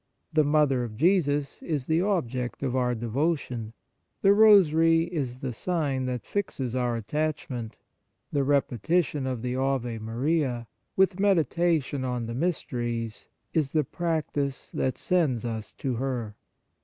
The Mother of Jesus is the object of our devotion ; the Rosary is the sign that fixes our attachment ; the repetition of the Ave Maria, with meditation on the mysteries, is the practice that sends us to her.